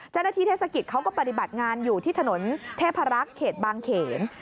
เจ้าหน้าที่เทศกิตเขาก็ปฏิบัติงานอยู่ที่ถนนเทพรักษ์เขตบางเขน